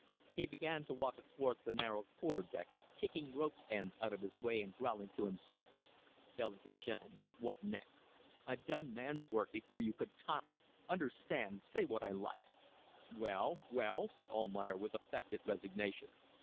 He began to walk athwart the narrow quarter deck, kicking ropes' ends out of his way and growling to himself: "Delicate gentleman ... what next? ... I've done man's work before you could toddle. Understand ... say what I like." "Well! well!" said Almayer, with affected resignation.